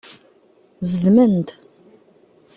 Zedmen-d.